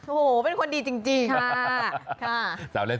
โอ้โหเป็นคนดีจริงค่ะ